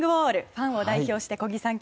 ファンを代表して小木さん